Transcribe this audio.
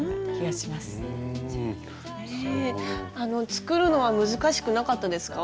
作るのは難しくなかったですか？